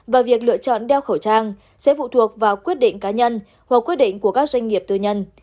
và việc lựa chọn đeo khẩu trang sẽ phụ thuộc vào quyết định cá nhân hoặc quyết định của các doanh nghiệp tư nhân